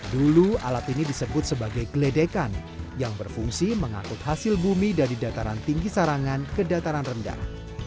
dulu alat ini disebut sebagai geledekan yang berfungsi mengakut hasil bumi dari dataran tinggi sarangan ke dataran rendah